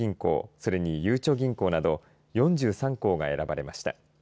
それに、ゆうちょ銀行など４３行が選ばれました。